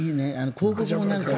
広告もね。